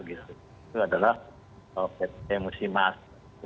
itu adalah cpo musimas